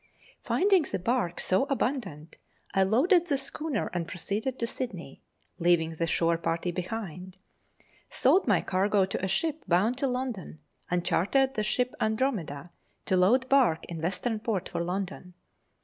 Finding the bark so abundant, I loaded the schooner and proceeded to Sydney, leaving the shore party behind; sold my cargo to a ship bound to London, and chartered the ship Andro meda to load bark in Western Port for London.